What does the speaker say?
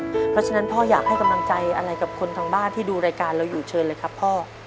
เพราะฉะนั้นพ่ออยากให้กำลังใจอะไรกับคนทางบ้านที่ดูรายการเราอยู่เชิญเลยครับพ่อ